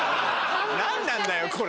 何なんだよこれ。